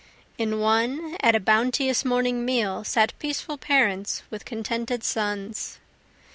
In one, at a bounteous morning meal, Sat peaceful parents with contented sons.